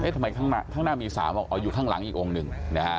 ทำไมข้างหน้ามี๓อยู่ข้างหลังอีกองค์หนึ่ง